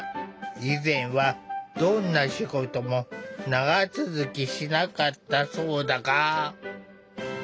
以前はどんな仕事も長続きしなかったそうだが。